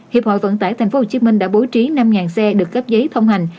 hiệp hội vận tải tp hcm đã bố trí năm xe được cấp giấy thông hành